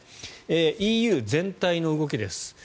ＥＵ全体の動きです。